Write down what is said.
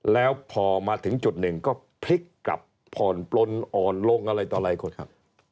แล้วพอมาถึงจุดหนึ่งก็พลิกกลับผ่อนปลนอ่อนลงอะไรต่อหลายคนครับ